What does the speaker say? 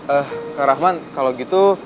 eh kang rahman kalau gitu